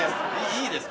いいです